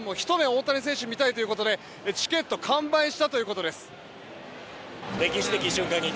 大谷選手を見たいということでチケット完売したということです。